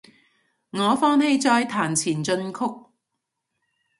我放棄再彈前進曲